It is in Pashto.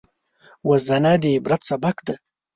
وژنه د عبرت سبق دی